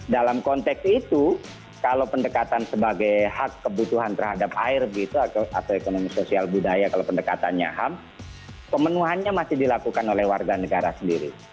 dalam konteks itu kalau pendekatan sebagai hak kebutuhan terhadap air atau ekonomi sosial budaya kalau pendekatannya ham pemenuhannya masih dilakukan oleh warga negara sendiri